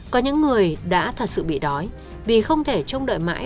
có những người đã thật sự bị đói vì không thể trông đợi mãi